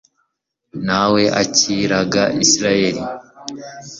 na we akiraga israheli